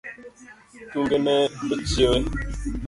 Tunge ne ochiewe.